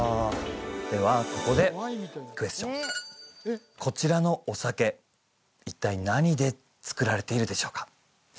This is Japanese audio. ではここでクエスチョンこちらのお酒一体何でつくられているでしょうか？